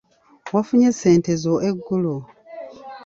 Wafunye ssente zo eggulo?